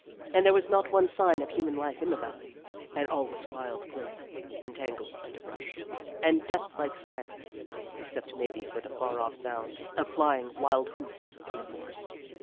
And there was not one sign of human life in the valley, and all was wild growth and tangled underbrush, and death like silence, except maybe for the far off sound of flying wild hoofs in the forest.